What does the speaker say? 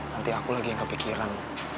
nanti aku lagi yang kepikiran